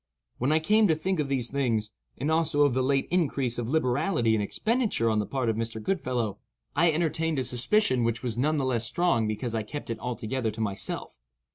When I came to think of these things, and also of the late increase of liberality and expenditure on the part of Mr. Goodfellow, I entertained a suspicion which was none the less strong because I kept it altogether to myself.